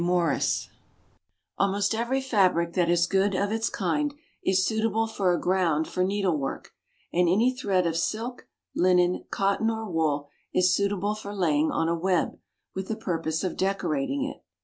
OF MATERIALS Almost every fabric that is good of its kind is suitable for a ground for needlework, and any thread of silk, linen, cotton, or wool, is suitable for laying on a web, with the purpose of decorating it.